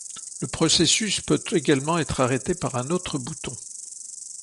Le processus peut également être arrêté par un autre bouton.